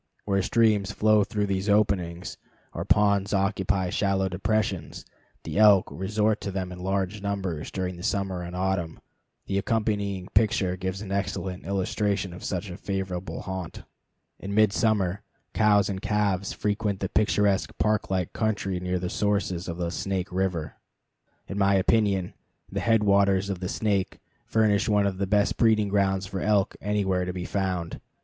Where streams flow through these openings, or ponds occupy shallow depressions, the elk resort to them in large numbers during summer and autumn. The accompanying picture gives an excellent illustration of such a favorite haunt. In midsummer cows and calves frequent the picturesque park like country near the sources of the Snake River. In my opinion, the head waters of the Snake furnish one of the best breeding grounds for elk anywhere to be found.